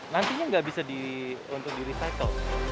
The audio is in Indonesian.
nantinya nggak bisa untuk di recycle